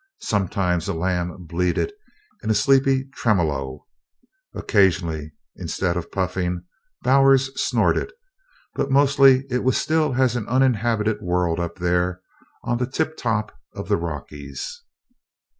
Sometimes a lamb bleated in a sleepy tremolo; occasionally, instead of puffing, Bowers snorted; but mostly it was as still as an uninhabited world up there on the tip top of the Rockies.